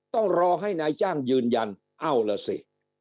ต้องรอให้นายจ้างยืนยันเอาล่ะสิ